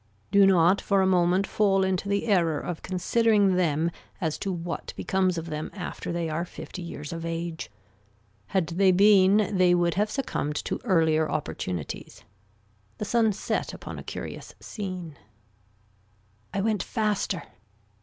Do not for a moment fall into the error of considering them as to what becomes of them after they are fifty years of age. Had they been they would have succumbed to earlier opportunities. The sun set upon a curious scene I went faster.